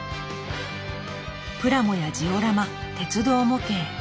プラモやジオラマ鉄道模型。